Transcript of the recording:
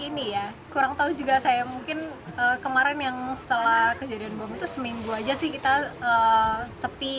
ini ya kurang tahu juga saya mungkin kemarin yang setelah kejadian bom itu seminggu aja sih kita sepi